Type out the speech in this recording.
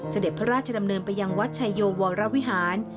เสด็จพระราชดำเนินไปยังวัดชายโยวรวิหาร